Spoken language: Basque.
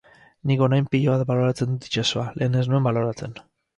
Nik orain pilo bat baloratzen dut itsasoa, lehen ez nuen baloratzen.